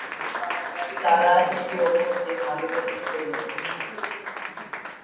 তারা একে অপরকে ভালবাসে ফেলে।